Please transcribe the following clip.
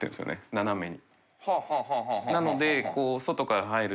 斜めに。